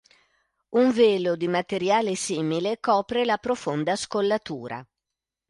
Un velo di materiale simile copre la profonda scollatura.